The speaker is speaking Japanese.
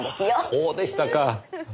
そうでしたか。